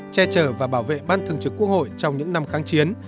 che chở và bảo vệ ban thời chủ quốc hội trong những năm kháng chiến